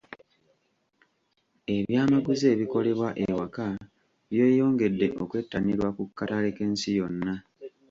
Ebyamaguzi ebikolebwa ewaka byeyongedde okwettanirwa ku katale k'ensi yonna.